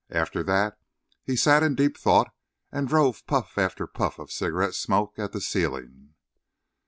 After that he sat in deep thought and drove puff after puff of cigarette smoke at the ceiling.